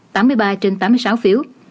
tám mươi ba trên tám mươi sáu phiếu